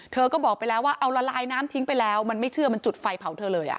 เธอก็บอกไปแล้วว่าเอาละลายน้ำทิ้งไปแล้วมันไม่เชื่อมันจุดไฟเผาเธอเลย